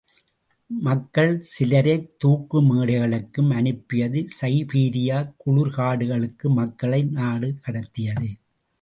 மக்கள் சிலரைத் தூக்கு மேடைகளுக்கும் அனுப்பியது சைபீரியக் குளிர் காடுகளுக்கு மக்களை நாடு கடத்தியது.